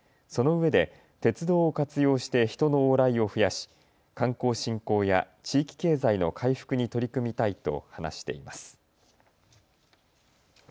そのうえで鉄道を活用して人の往来を増やし観光振興や地域経済の回復に取り組みたいと話しています。